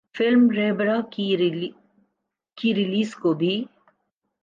film ’رہبرا‘ کی release کو بھی